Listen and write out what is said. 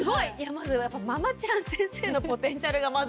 まずはやっぱ「ママちゃん先生」のポテンシャルがまずすごかったですね。